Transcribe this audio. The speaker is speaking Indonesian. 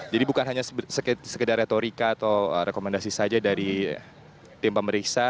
jadi bukan hanya sekedar retorika atau rekomendasi saja dari tim pemeriksa